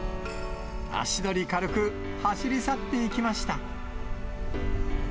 足取り軽く、走り去っていきました。